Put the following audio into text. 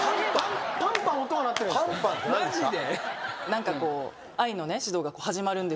マジで？